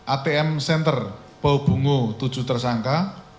atm center poh bungu tujuh tersangka